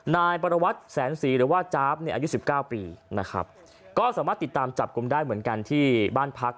นายปรวัตรแสนศรีหรือว่าจ๊าบเนี่ยอายุสิบเก้าปีนะครับก็สามารถติดตามจับกลุ่มได้เหมือนกันที่บ้านพัก